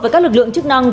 với các lực lượng chức năng